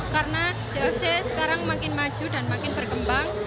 karena gfc sekarang makin maju dan makin berkembang